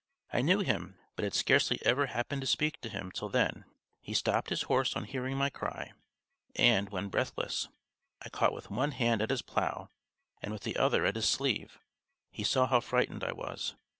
I knew him, but had scarcely ever happened to speak to him till then. He stopped his horse on hearing my cry, and when, breathless, I caught with one hand at his plough and with the other at his sleeve, he saw how frightened I was.